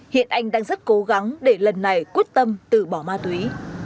hiện anh đang rất cố gắng để lần này quyết tâm từ bỏ ma túy